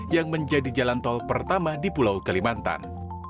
yang menjadi jalan tol pertama di pulau kalimantan